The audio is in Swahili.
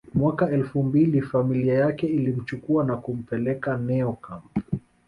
Mwaka elfu mbili familia yake ilimchukua na kumpeleka Neo camp